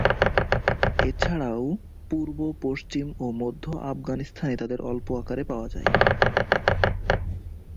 এছাড়াও পূর্ব, পশ্চিম ও মধ্য আফগানিস্তানে তাদের অল্প আকারে পাওয়াযায়।